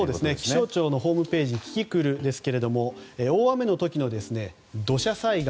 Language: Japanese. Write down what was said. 気象庁のホームページキキクルでは大雨の時の土砂災害